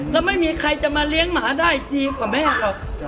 แล้วไม่มีใครจะมาเลี้ยงหมาได้ดีกว่าแม่หรอก